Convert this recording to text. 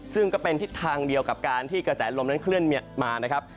ซึ่งก็เป็นทิศทางเดียวกับการที่กระแสลมนั้นเคลื่อนมานะครับ